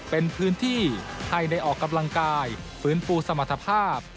เป็นพื้นที่ให้ได้ออกกำลังกายฟื้นฟูสมรรถภาพ